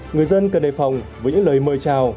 người dân cần đề phòng với những lời mời chào